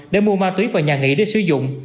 để mua ma túy vào nhà nghỉ để sử dụng